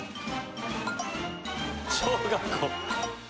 小学校。